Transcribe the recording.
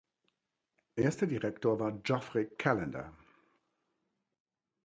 Erster Direktor war Geoffrey Callender.